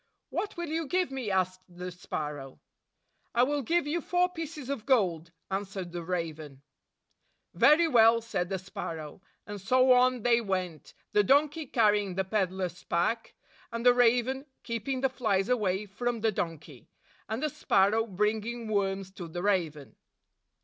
"What will you give me?" asked the sparrow. "I will give you four pieces of gold," an swered the raven. "Very well," said the sparrow; and so on they went, the donkey carrying the peddler's pack, and the raven keeping the flies away from the donkey, and the sparrow bringing worms to the raven.